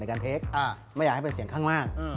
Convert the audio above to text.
ในการเคลียดไม่อยากให้เป็นเสียงข้างล่าง